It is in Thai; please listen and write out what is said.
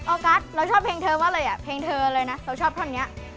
ออร์กัสเราชอบเพลงเธอวะเลยอ่ะเพลงเธอเลยนะเราชอบข้อเนี่ย